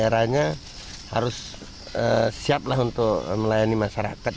daerahnya harus siap untuk melayani masyarakat